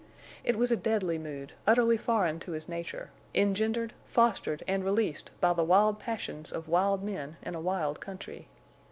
It was a deadly mood, utterly foreign to his nature, engendered, fostered, and released by the wild passions of wild men in a wild country.